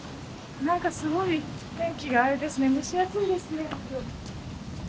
なんかすごい天気があれですね蒸し暑いですね今日。